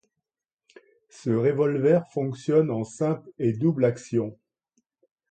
Ce revolver fonctionne en simple et double action.